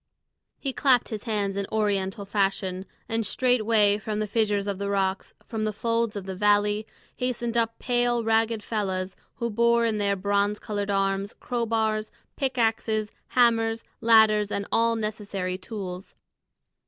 He clapped his hands in Oriental fashion, and straightway from the fissures of the rocks, from the folds of the valley, hastened up pale, ragged fellahs, who bore in their bronze coloured arms crow bars, pick axes, hammers, ladders, and all necessary tools.